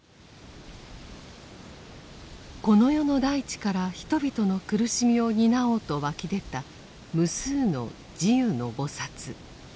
この世の大地から人々の苦しみを担おうと涌き出た無数の「地涌の菩薩」。